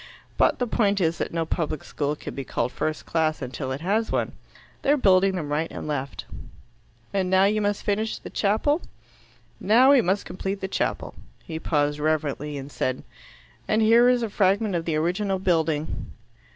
But the point is that no public school can be called first class until it has one. They are building them right and left." "And now you must finish the chapel?" "Now we must complete the chapel." He paused reverently, and said, "And here is a fragment of the original building."